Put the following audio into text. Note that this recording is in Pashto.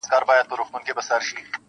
خو وجدان يې نه پرېږدي تل-